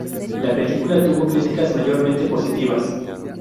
La película tuvo críticas mayormente positivas.